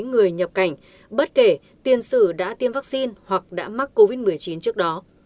các hành khách nhập cảnh bất kể tiền sử đã tiêm vaccine hoặc đã mắc covid một mươi chín trước đó